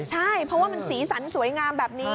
ใช่เพราะว่ามันสีสันสวยงามแบบนี้